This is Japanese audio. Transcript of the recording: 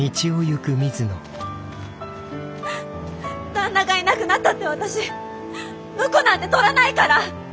旦那がいなくなったって私婿なんて取らないから。